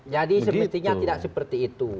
jadi sebetulnya tidak seperti itu